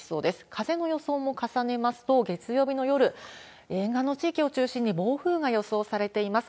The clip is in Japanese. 風の予想も重ねますと、月曜日の夜、沿岸の地域を中心に、暴風が予想されています。